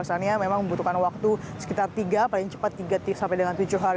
karena memang membutuhkan waktu sekitar tiga paling cepat tiga sampai dengan tujuh hari